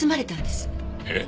えっ？